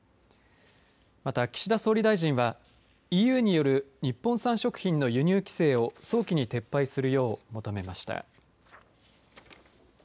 また、岸田総理大臣はＥＵによる日本産食品の輸入規制を早期に撤廃するよう求めました。